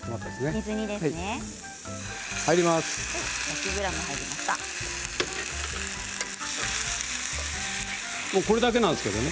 水煮ですね。